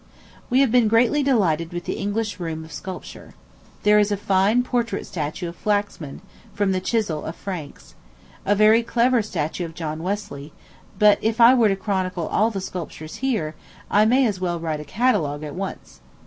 We have been greatly delighted with the English room of sculpture. There is a fine portrait statue of Flaxman, from the chisel of Franks; a very clever statue of John Wesley; but if I were to chronicle all the sculptures here, I may as well write a catalogue at once.